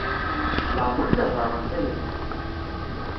Laɛmeṛ i d-tehḍeṛ ɣef aya..